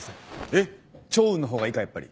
えっ趙雲の方がいいかやっぱり。